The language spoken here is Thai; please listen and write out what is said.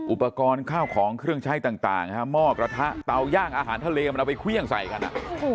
อุปกรณ์ข้าวของเครื่องใช้ต่างหม้อกระทะเตาย่างอาหารทะเลมันเอาไปเครื่องใส่กันอ่ะ